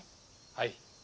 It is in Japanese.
はい。